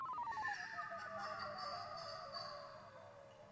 One county commissioner is elected from each district to serve a four-year term.